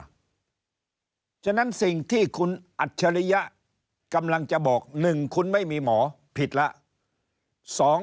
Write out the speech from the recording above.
เพราะฉะนั้นสิ่งที่คุณอัจฉริยะกำลังจะบอก๑คุณไม่มีหมอผิดแล้ว